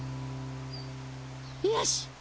よし！